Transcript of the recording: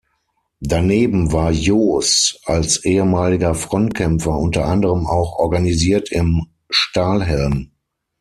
Daneben war Joos als ehemaliger Frontkämpfer unter anderem auch organisiert im Stahlhelm.